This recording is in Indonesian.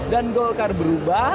dan golkar berubah